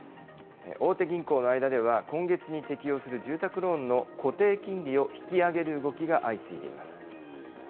大手銀行の間では、今月に適用する住宅ローンの固定金利を引き上げる動きが相次いでいます。